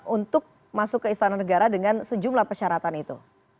untuk masuk ke istana negara dengan sejumlah persyaratan itu